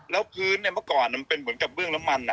แล้วพื้นเนี่ยเมื่อก่อนมันเป็นเหมือนกับเบื้องน้ำมัน